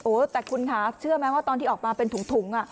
แต่คุณคะเชื่อไหมว่าตอนที่ออกมาเป็นถุง